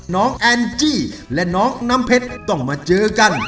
น้องแอนจี้และน้องน้ำเพชรต้องมาเจอกัน